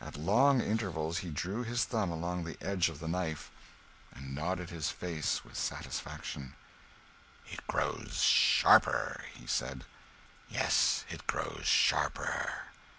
At long intervals he drew his thumb along the edge of his knife, and nodded his head with satisfaction. "It grows sharper," he said; "yes, it grows sharper."